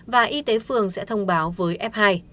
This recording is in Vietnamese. và y tế phường sẽ thông báo với f hai